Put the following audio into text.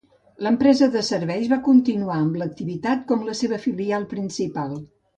L'empresa de serveis va continuar amb l'activitat com la seva filial principal.